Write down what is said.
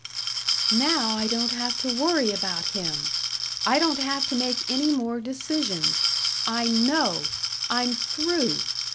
"Now I don't have to worry about him. I don't have to make any more decisions. I know! I'm through!